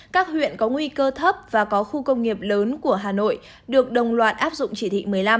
các huyện có nguy cơ thấp và có khu công nghiệp lớn của hà nội được đồng loạt áp dụng chỉ thị một mươi năm